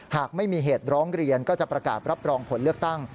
หากไม่มีเหตุร้องเรียนก็จะประกาศรับรองผลเลือกตั้ง